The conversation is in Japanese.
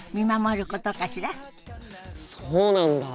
そうなんだ。